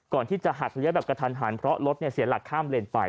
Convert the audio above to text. ก่อนที่จะหักเลี้ยแบบกระทันหันเพราะรถเสียหลักข้ามเลนไป